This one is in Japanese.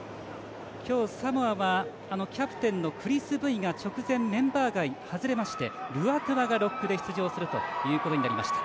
今日、サモアはキャプテンのクリス・ブイが直前、メンバー外、外れましてルアトゥアがロックで出場するということになりました。